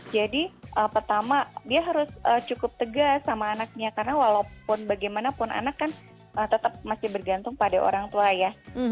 jadi pertama dia harus cukup tegas sama anaknya karena walaupun bagaimanapun anak kan tetap masih bergantung pada orang tua ya